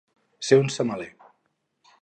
Ser un semaler.